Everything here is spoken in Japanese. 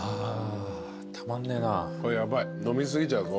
これヤバい飲み過ぎちゃうぞ。